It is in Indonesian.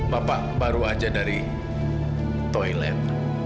bapak baru aja dari toilet